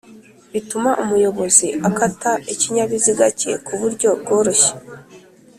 bituma umuyobozi akata ikinyabiziga cye ku buryo bworoshye